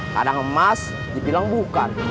kadang emas dibilang bukan